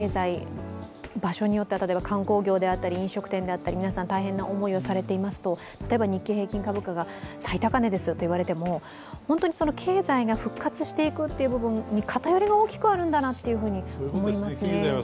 これだけ長い間経済、場所によっては観光業であったり飲食店であったり大変な思いをされているのを見ますと例えば日経平均株価が最高値ですと言われても本当に経済が復活していくという部分に偏りが大きくあるんだなと思いますね。